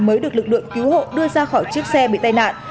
mới được lực lượng cứu hộ đưa ra khỏi chiếc xe bị tai nạn